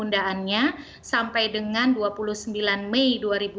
dengan dua puluh sembilan mei dua ribu dua puluh